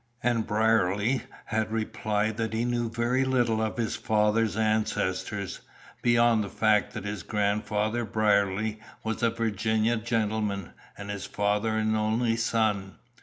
And Brierly had replied that he knew very little of his father's ancestors, beyond the fact that his grandfather Brierly was a Virginia gentleman, and his father an only son.